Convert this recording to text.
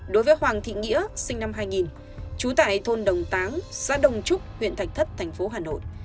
đối với hoàng thị nghĩa sinh năm hai nghìn trú tại thôn đồng táng xã đồng trúc huyện thạch thất thành phố hà nội